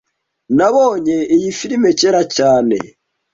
Nabonye iyi firime kera cyane.